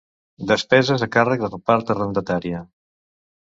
Despeses a càrrec de la part arrendatària.